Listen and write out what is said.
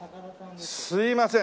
すみません